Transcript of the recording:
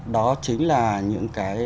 đó chính là những cái